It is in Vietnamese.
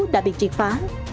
đã bị triệt phá